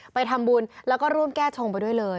ไปทำบุญแล้วก็ร่วมแก้ชงไปด้วยเลย